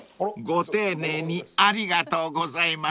［ご丁寧にありがとうございます］